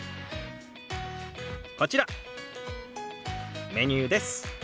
こちらメニューです。